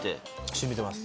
染みてます。